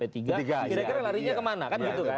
kira kira larinya kemana kan gitu kan